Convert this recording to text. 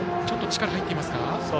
ちょっと力が入っていますか？